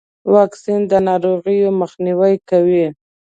واکسین د ناروغیو مخنیوی کوي.